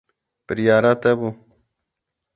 Biryara te bû.